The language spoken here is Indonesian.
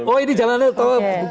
oh ini jalanan lto